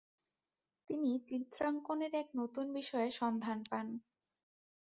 তিনি চিত্রাঙ্কনের এক নতুন বিষয়ের সন্ধান পান।